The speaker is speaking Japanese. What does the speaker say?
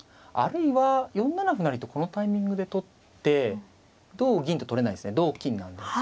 あるいは４七歩成とこのタイミングで取って同銀と取れないですね同金なんで。